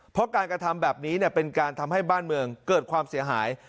เพราะการกระทำแบบนี้เป็นการทำให้บ้านเมืองเกิดความเสียหาย